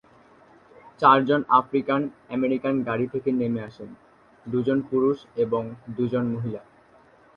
চার জন African American গাড়ি থেকে নেমে আসেন, দুজন পুরুষ এবং দুজন মহিলা।